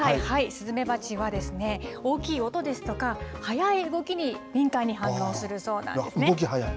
スズメバチは大きい音ですとか、速い動きに敏感に反応するそうな動き速い？